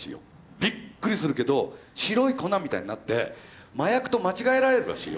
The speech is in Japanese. びっくりするけど白い粉みたいになって麻薬と間違えられるらしいよ。